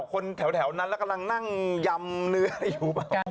คนแถวนั้นแล้วกำลังนั่งยำเนื้ออยู่เปล่า